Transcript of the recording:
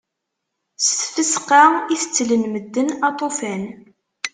S tfesqa i tettlen medden aṭufan.